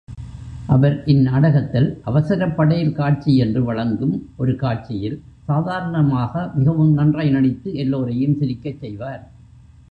அவர் இந்நாடகத்தில் அவசரப்படேல் காட்சியென்று வழங்கும் ஒரு காட்சியில் சாதாரணமாக மிகவும் நன்றாய் நடித்து எல்லோரையும் சிரிக்கச் செய்வார்.